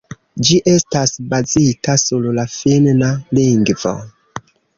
Ĝi estas bazita sur la Finna lingvo.